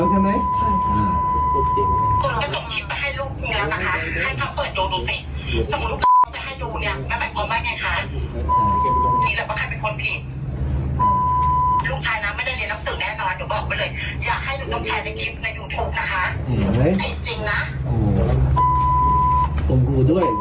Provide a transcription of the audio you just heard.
ใครนะ